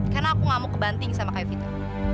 karena aku gak mau kebanting sama kak evita